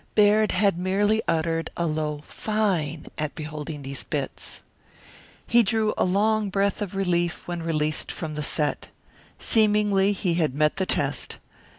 Baird had merely uttered a low "Fine!" at beholding these bits. He drew a long breath of relief when released from the set. Seemingly he had met the test.